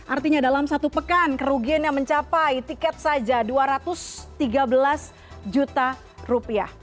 artinya dalam satu pekan kerugiannya mencapai tiket saja rp dua ratus tiga belas